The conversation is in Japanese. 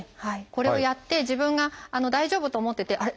これをやって自分が大丈夫と思っててあれ？